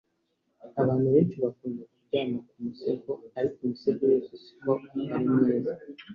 Abantu beshi bakunda kuryama ku musego ariko imisego yose siko ari myiza